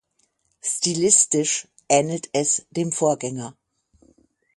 Stilistisch ähnelt es dem Vorgänger.